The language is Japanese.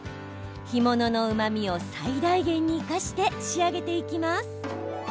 干物のうまみを最大限に生かして仕上げていきます。